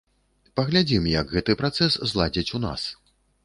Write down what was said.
Паглядзім, як гэты працэс зладзяць у нас.